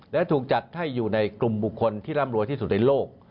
และถูกจัดให้อยู่ในกลุ่มบุคคลที่ร่ำรวยที่สุดในโลก